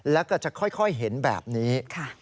แล้วก็จะค่อยเห็นแบบนี้